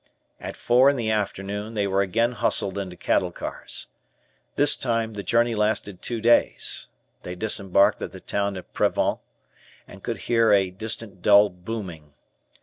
At four in the afternoon, they were again hustled into cattle cars. This time, the Journey lasted two days. They disembarked at the town of Prevent, and could hear a distant dull booming.